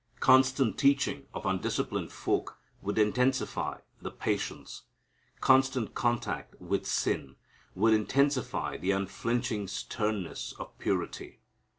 Constant teaching of undisciplined folk would intensify the patience. Constant contact with sin would intensify the unflinching sternness of purity.